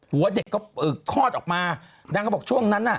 หัวเด็กก็คลอดออกมานางก็บอกช่วงนั้นน่ะ